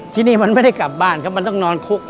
ที่นี่มันไม่ได้กลับบ้านครับมันต้องนอนคุก